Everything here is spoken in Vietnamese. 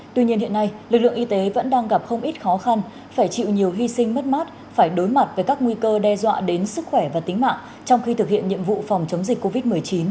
tuy nhiên hiện nay lực lượng y tế vẫn đang gặp không ít khó khăn phải chịu nhiều hy sinh mất mát phải đối mặt với các nguy cơ đe dọa đến sức khỏe và tính mạng trong khi thực hiện nhiệm vụ phòng chống dịch covid một mươi chín